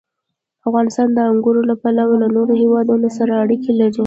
افغانستان د انګورو له پلوه له نورو هېوادونو سره اړیکې لري.